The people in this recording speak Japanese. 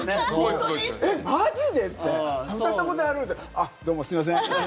あっ、どうもすいません。